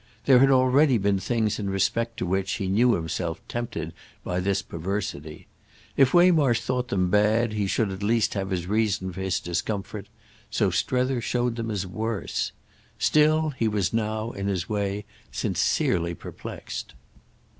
There had already been things in respect to which he knew himself tempted by this perversity. If Waymarsh thought them bad he should at least have his reason for his discomfort; so Strether showed them as worse. Still, he was now, in his way, sincerely perplexed.